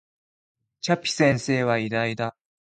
チャピ先生は偉大だ